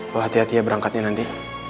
bahwa hati hati ya berangkatnya nanti